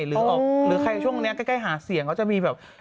หรือใครช่วงนี้ใกล้หาเสียงเขาจะมีแบบ